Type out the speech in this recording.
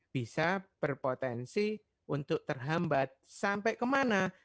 bisa berpotensi untuk terhambat sampai kemana